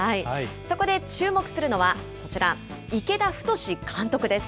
そこで注目するのは、こちら、池田太監督です。